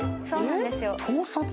そうなんですよ。